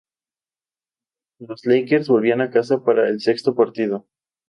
Los Lakers volvían a casa para el sexto partido.